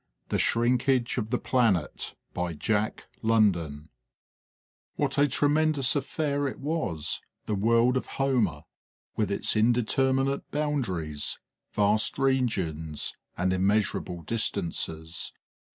THE SHRINKAGE OF THE PLANET What a tremendous affair it was, the world of Homer, with its indeterminate boundaries, vast regions, and immeasurable distances.